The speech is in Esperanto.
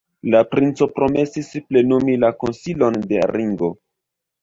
La princo promesis plenumi la konsilon de Ringo.